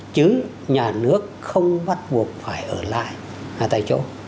chứ nhà nước không bắt buộc phải ở lại tại chỗ